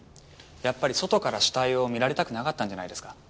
やっぱり外から死体を見られたくなかったんじゃないですか？